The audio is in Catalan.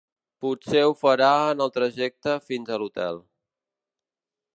Potser ho farà en el trajecte fins a l'hotel.